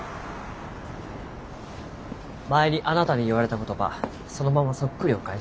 前にあなたに言われた言葉そのままそっくりお返しします。